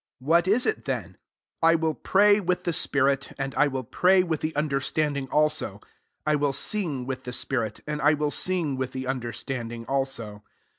15 What is it then? I will pray with the spirit, and I will pray with the understanding also : I will sing with the spirit, and I will sing with the under standing also.